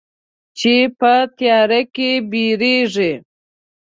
چې په تیاره کې بیریږې